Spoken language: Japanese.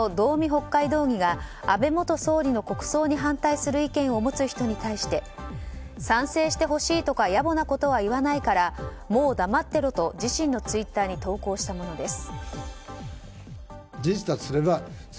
北海道議が安倍元総理の国葬に反対する意見を持つ人に対して賛成してほしいとか野暮なことは言わないからもう黙ってろと自身のツイッターに投稿したものです。